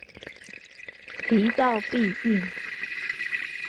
提到避孕